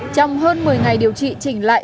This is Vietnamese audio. trong hơn một mươi ngày điều trị chỉnh lại